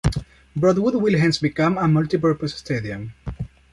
Broadwood will hence become a multi-purpose stadium.